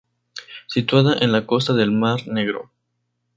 Situada en la costa del mar Negro.